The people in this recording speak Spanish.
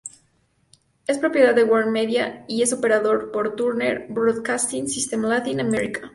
Es Propiedad de WarnerMedia y Es operado por Turner Broadcasting System Latin America.